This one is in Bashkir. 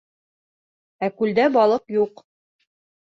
Ә күлдә балыҡ юҡ.